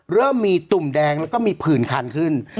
เริ่มมีตุ่มแดงแล้วก็มีผื่นคันขึ้น